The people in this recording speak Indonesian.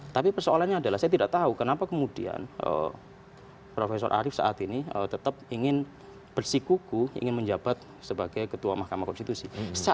tapi persoalannya adalah saya tidak tahu kenapa kemudian profesor arief saat ini tetap ingin bersikuku ingin menjabat sebagai ketua mahkamah konstitusi